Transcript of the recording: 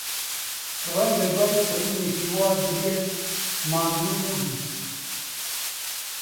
ڕەنگە دوای فڕینێکی وا درێژ ماندوو بووبیت.